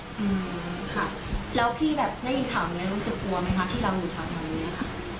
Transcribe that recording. แล้วพี่แบบได้ถามรู้สึกกลัวไหมคะที่เราอยู่ข้างนั้นเนี่ยค่ะ